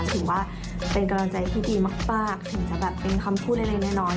ถือว่าเป็นกำลังใจที่ดีมากถึงจะแบบเป็นคำพูดอะไรแน่นอน